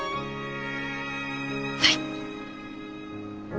はい。